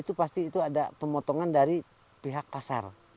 itu pasti itu ada pemotongan dari pihak pasar